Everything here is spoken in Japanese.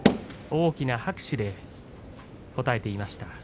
大きな拍手で応えていました。